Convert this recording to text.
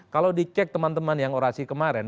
kalau dicek teman teman yang orasi kemarin